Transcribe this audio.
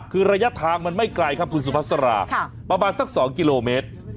คือระยะทางมันไม่ไกลครับคุณสุภาษาประมาณสัก๒กิโลเมตร